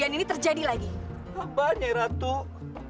semuanya adalah musuh